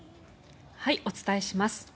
お伝えします。